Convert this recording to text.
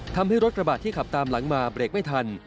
ทำให้รถกระบะที่ขับตามหลังมาเบรกไม่ทัน